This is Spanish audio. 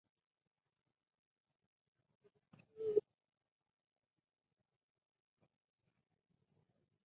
El antecedente es un sustantivo o un pronombre, que designa a un ser inanimado.